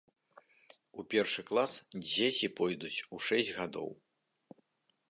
У першы клас дзеці пойдуць у шэсць гадоў.